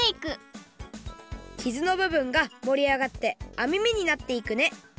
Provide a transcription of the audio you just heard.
傷のぶぶんがもりあがってあみ目になっていくね